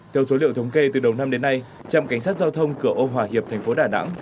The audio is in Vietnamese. theo số liệu thống kê từ đầu năm đến nay trạm cảnh sát giao thông cửa âu hòa hiệp thành phố đà nẵng